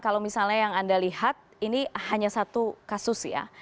kalau misalnya yang anda lihat ini hanya satu kasus ya